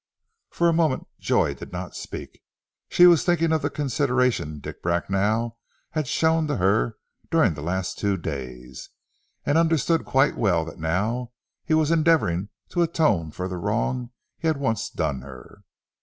For a moment Joy did not speak. She was thinking of the consideration Dick Bracknell had shown to her during the last two days, and understood quite well that now he was endeavouring to atone for the wrong he had once done her.